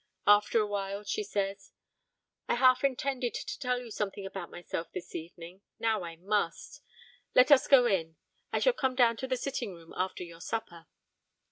After a while she says 'I half intended to tell you something about myself this evening, now I must. Let us go in. I shall come down to the sitting room after your supper.'